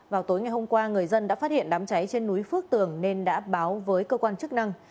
vào tối ngày hôm qua người dân đã phát hiện đám cháy trên núi phước tường nên đã báo với cơ quan chức năng